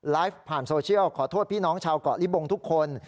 ผ่านโซเชียลขอโทษพี่น้องชาวเกาะลิบงทุกคน